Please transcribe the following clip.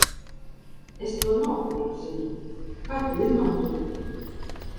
Es to nopirku Zini, kā to izmantot?